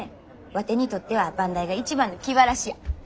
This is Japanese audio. ワテにとっては番台が一番の気晴らしや。